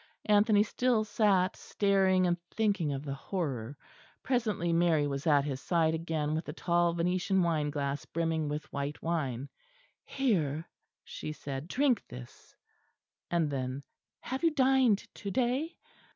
Anthony still sat staring and thinking of the horror. Presently Mary was at his side again with a tall venetian wine glass brimming with white wine. "Here," she said, "drink this," and then "have you dined to day?"